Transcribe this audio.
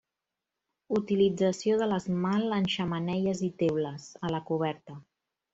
Utilització de l'esmalt en xemeneies i teules, a la coberta.